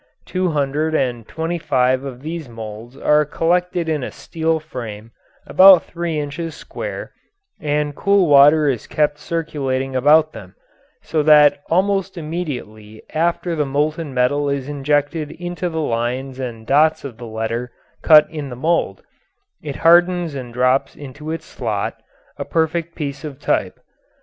Two hundred and twenty five of these moulds are collected in a steel frame about three inches square, and cool water is kept circulating about them, so that almost immediately after the molten metal is injected into the lines and dots of the letter cut in the mould it hardens and drops into its slot, a perfect piece of type.